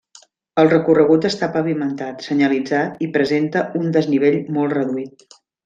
El recorregut està pavimentat, senyalitzat i presenta un desnivell molt reduït.